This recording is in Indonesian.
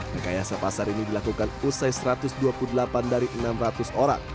rekayasa pasar ini dilakukan usai satu ratus dua puluh delapan dari enam ratus orang